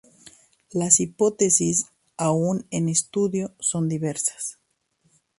Las hipótesis aun en estudio son diversas.